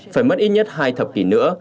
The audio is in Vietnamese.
phải mất ít nhất hai thập kỷ nữa